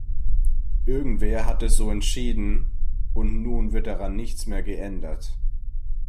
Irgendwer hat es so entschieden, und nun wird daran nichts mehr geändert.